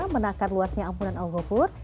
menakar luasnya ampunan al ghafur